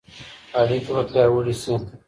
اړيکي به پياوړې سي.